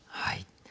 はい。